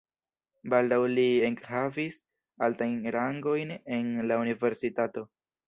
Baldaŭ li ekhavis altajn rangojn en la universitato.